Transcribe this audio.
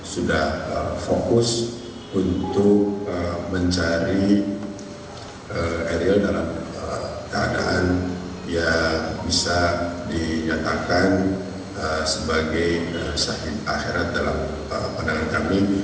sudah fokus untuk mencari eril dalam keadaan yang bisa dinyatakan sebagai sakit akhirat dalam pandangan kami